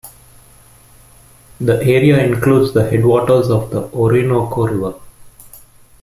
The area includes the headwaters of the Orinoco River.